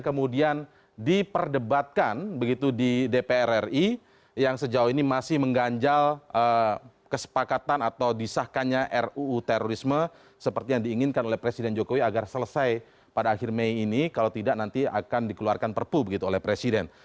tetapi perbedaan dari dua definisi ini terletak pada di rumusan ini di dalam kata kata fasilitas internasional